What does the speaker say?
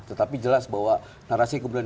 tetapi jelas bahwa narasi kemudian